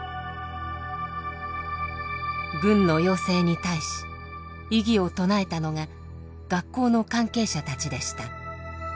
軍の要請に対し異議を唱えたのが学校の関係者たちでした。